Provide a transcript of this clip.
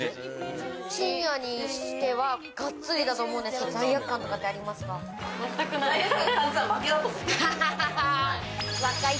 深夜にしてはがっつりだと思うんですけれども、まったくない。